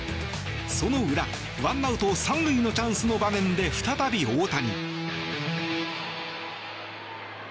その裏１アウト３塁のチャンスで再び大谷。